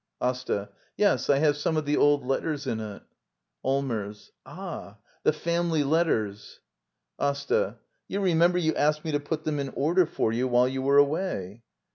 AsTA. Yes. I have some of the dd letters in it. Allmers. Ah, the family letters — Asta. You remember you asked me to put them in order for you while you were away.